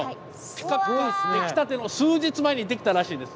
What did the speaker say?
ピカピカ出来たての数日前にできたらしいんです。